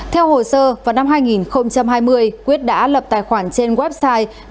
theo hồ sơ vào năm hai nghìn hai mươi quyết đã lập tài khoản trên website